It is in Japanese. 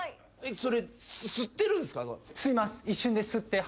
それ吸ってるんすか？